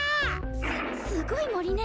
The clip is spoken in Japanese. すすごいもりね。